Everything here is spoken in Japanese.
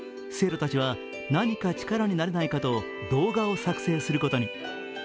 生徒たちは何か力になれないかと動画を作成することに。